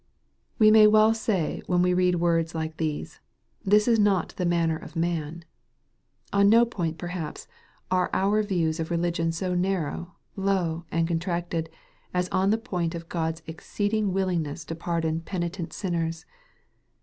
We may well say when we read words like these, " this is not the manner of man." On no point perhaps are our views of religion so narrow, low, and contracted, as on the point of God's exceeding willingness to pardon penitent sinners.